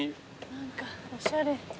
何かおしゃれ。